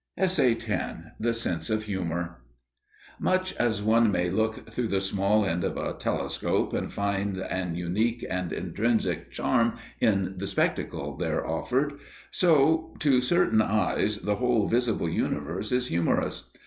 *The Sense of Humour* Much as one may look through the small end of a telescope and find an unique and intrinsic charm in the spectacle there offered, so to certain eyes the whole visible universe is humorous.